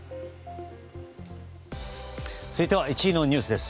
続いては１位のニュースです。